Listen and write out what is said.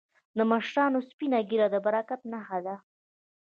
د مشرانو سپینه ږیره د برکت نښه ده.